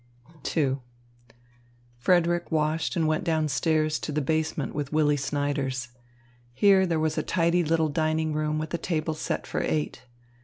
II Frederick washed and went down stairs to the basement with Willy Snyders. Here there was a tidy little dining room with a table set for eight.